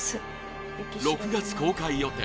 ６月公開予定